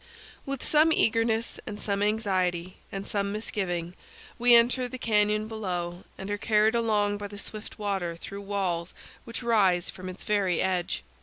With some eagerness and some anxiety and some misgiving we enter the canyon below and are carried along by the swift water through walls which rise from its very edge.